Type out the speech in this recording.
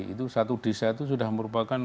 itu satu desa itu sudah merupakan